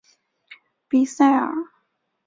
比塞尔。